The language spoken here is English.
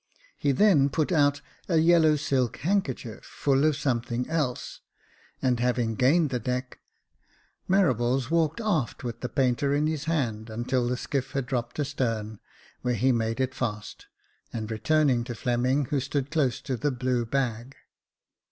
He then put out a yellow silk handkerchief full of something else, and having gained the deck, Marables walked aft with the painter in his hand until the skiff had dropped astern, where he made it fast, and returned to Fleming, who stood close to the blue bag.